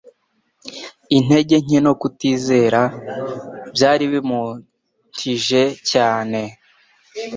intege nke no kutizera. Byari bimunthije cyane